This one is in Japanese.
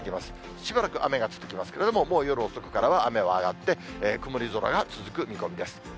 しばらく雨が続きますけれども、もう夜遅くからは雨は上がって、曇り空が続く見込みです。